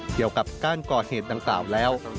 เกี่ยวกับการก่อเหตุดังกล่าวแล้ว